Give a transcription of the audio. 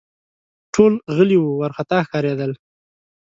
ټول غلي وه ، وارخطا ښکارېدل